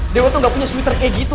dewa tuh gak punya switter kayak gitu